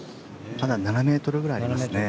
まだ７ｍぐらいありますね。